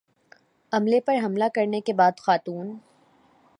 عملے پر حملہ کرنے کے بعد خاتون